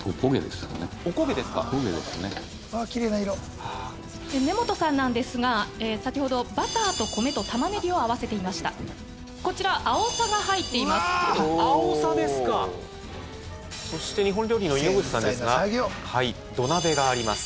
おこげですかわぁきれいな色根本さんなんですが先ほどバターと米とたまねぎを合わせていましたこちらあおさが入っていますうわあおさですかそして日本料理の猪口さんですが土鍋があります